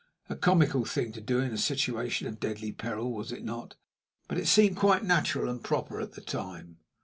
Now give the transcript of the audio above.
A comical thing to do in a situation of deadly peril, was it not? But it seemed quite natural and proper at the time.